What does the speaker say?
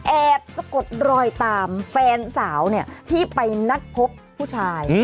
สะกดรอยตามแฟนสาวที่ไปนัดพบผู้ชาย